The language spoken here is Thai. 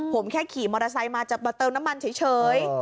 ผมแค่ขี่มอเตอร์ไซค์มาจะมาเติมน้ำมันเฉย